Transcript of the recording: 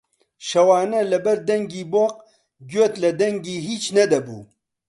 شەوانە لەبەر دەنگی بۆق گوێت لە دەنگی هیچ نەدەبوو